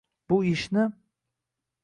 Bu ishni.